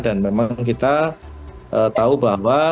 dan memang kita tahu bahwa